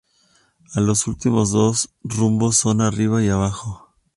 A los últimos dos rumbos son arriba y abajo.